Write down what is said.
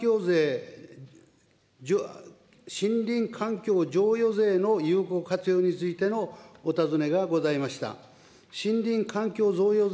次に森林環境譲与税の有効活用についてのお尋ねがございました。